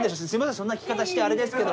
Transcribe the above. そんな聞き方してあれですけど。